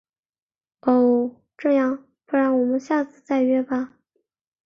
哦……这样，不然我们下次再约吧。